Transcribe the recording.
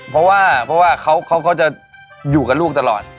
เพราะว่าเขาจะอยู่กับลูกตลอด